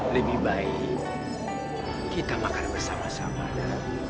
lebih baik kita makan bersama sama